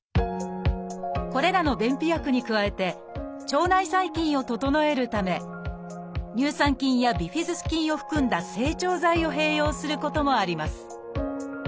これらの便秘薬に加えて腸内細菌を整えるため乳酸菌やビフィズス菌を含んだ整腸剤を併用することもあります。